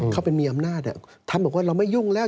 เข้าไปมีอำนาจท่านบอกว่าเราไม่ยุ่งแล้ว